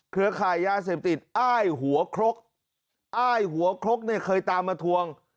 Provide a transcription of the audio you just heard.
ขายยาเสพติดอ้ายหัวครกอ้ายหัวครกเนี่ยเคยตามมาทวง